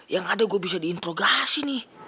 yang ada gue bisa diinterogasi nih